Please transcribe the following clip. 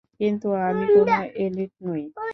কিন্তু আমি কোনো এলিট নই।